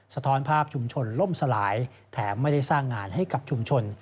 สะท้อนภาพชุมชนล่มสลายแถมไม่ได้สร้างงานให้กับชุมชน